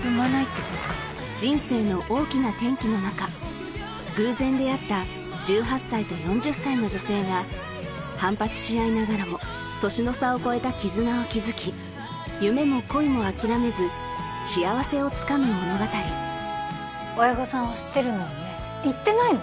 人生の大きな転機の中偶然出会った１８歳と４０歳の女性が反発し合いながらも年の差を超えた絆を築き夢も恋も諦めず幸せをつかむ物語親御さんは知ってるのよね言ってないの？